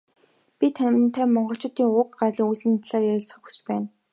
Бид тантай Монголчуудын уг гарал үүслийн талаар ярилцахыг хүсэж байна.